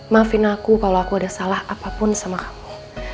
maafin aku kalau aku ada salah apapun sama aku